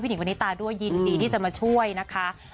หญิงวันนี้ตาด้วยยินดีที่จะมาช่วยนะคะ